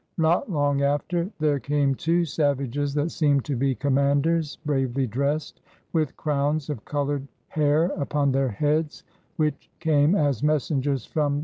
... Not long after there came two Savages that seemed to be Commanders, bravely dressed, with Crownes of coloured haire upon their heads, which came as Messengers from